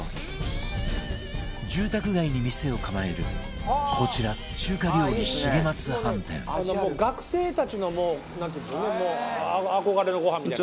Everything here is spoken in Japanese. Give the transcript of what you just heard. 住宅街に店を構えるこちら中華料理「学生たちのもうなんていうんでしょうね